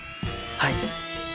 はい。